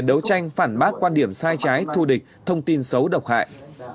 đấu tranh phản bác quan điểm sai trái thu địch thông tin xấu độc hại